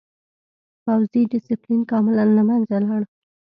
پوځي ډسپلین کاملاً له منځه لاړ.